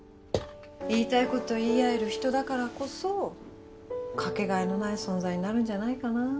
言いたいこと言い合える人だからこそ掛け替えのない存在になるんじゃないかな。